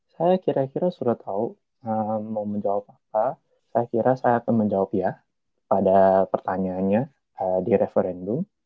saya kira kira sudah tahu mau menjawab apa saya kira saya akan menjawab ya pada pertanyaannya di referendum